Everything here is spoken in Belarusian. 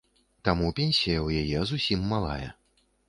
Таму пенсія ў яе зусім малая.